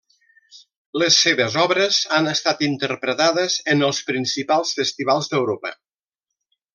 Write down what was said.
Les seves obres han estat interpretades en els principals festivals d'Europa.